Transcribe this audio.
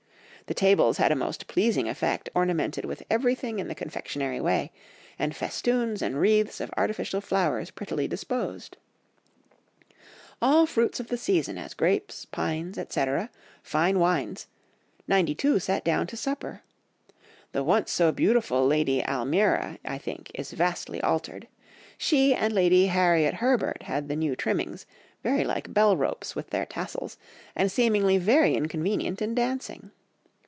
The tables had a most pleasing effect ornamented with everything in the confectionery way, and festoons and wreaths of artificial flowers prettily disposed; all fruits of the season as grapes, pines, etc., fine wines—ninety two sat down to supper.... The once so beautiful Lady Almeria I think is vastly altered. She and Lady Harriot Herbert had the new trimmings, very like bell ropes with their tassels, and seemingly very inconvenient in dancing.